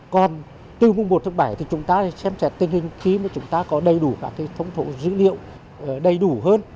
còn từ mùng một tháng bảy thì chúng ta xem xét tình hình khi mà chúng ta có đầy đủ các thống thủ dữ liệu đầy đủ hơn